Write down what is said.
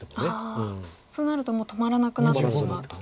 そうなるともう止まらなくなってしまうと。